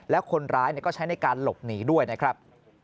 แล้วคนร้ายก็ใช้ในการหลบหนีด้วยนะครับ